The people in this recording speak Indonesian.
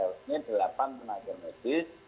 ini delapan tenaga medis